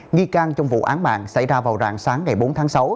nghi can trong vụ án mạng xảy ra vào rạng sáng ngày bốn tháng sáu